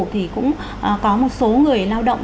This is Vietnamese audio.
thì cũng có một số người lao động